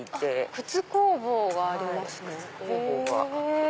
靴工房がありますねへぇ。